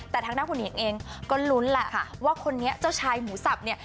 แต่ทางด้านคุณหญิงเองก็ลุ้นแหละว่าคนนี้เจ้าชายหมูสับเนี่ย